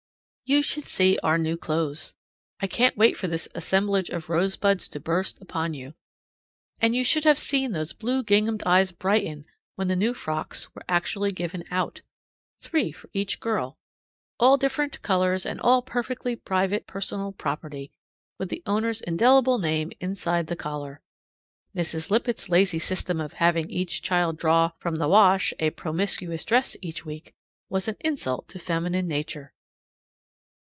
You should see our new clothes! I can't wait for this assemblage of rosebuds to burst upon you. And you should have seen those blue ginghamed eyes brighten when the new frocks were actually given out three for each girl, all different colors, and all perfectly private personal property, with the owner's indelible name inside the collar. Mrs. Lippett's lazy system of having each child draw from the wash a promiscuous dress each week, was an insult to feminine nature.